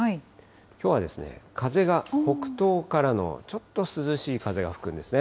きょうは風が北東からのちょっと涼しい風が吹くんですね。